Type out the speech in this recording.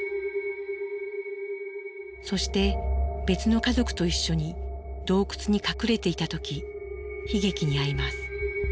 そして別の家族と一緒に洞窟に隠れていた時悲劇に遭います。